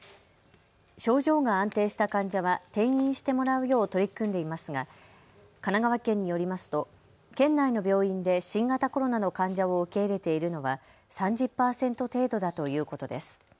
症状が安定した患者は転院してもらうよう取り組んでいますが神奈川県によりますと県内の病院で新型コロナの患者を受け入れているのは３０％程度だということです。